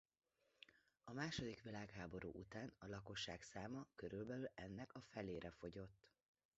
A második világháború után a lakosság száma körülbelül ennek a felére fogyott.